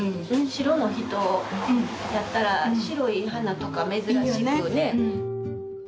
白の人やったら白い花とか珍しくね。